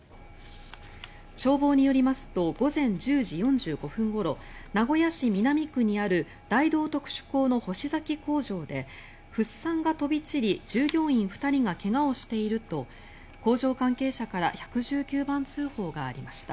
消防によりますと午前１０時４５分ごろ名古屋市南区にある大同特殊鋼の星崎工場でフッ酸が飛び散り従業員２人が怪我をしていると工場関係者から１１９番通報がありました。